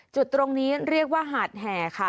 จุดตรงนี้เรียกว่าหาดแห่ค่ะ